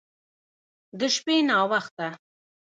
د شپې ناوخته